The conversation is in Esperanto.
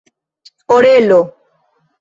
orelo